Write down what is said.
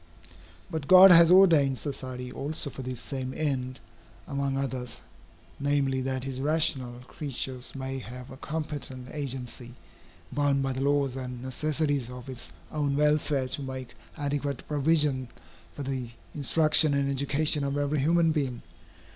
But God has ordained society also for this same end, among others, namely, that his rational creatures may have a competent agency, bound by the laws and necessities of its own welfare to make adequate provision for the instruction and education of every human being.